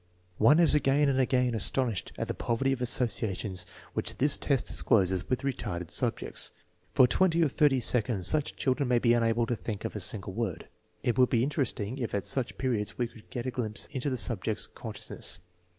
One is again and again astonished at the poverty of asso ciations which this test discloses with retarded subjects. For twenty or thirty seconds such children may be unable to think of a single word. It would be interesting if at such periods we could get a glimpse into the subject's conscious ness.